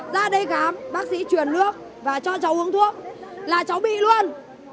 ra đây khám bác sĩ truyền nước và cho cháu uống thuốc là cháu bị luôn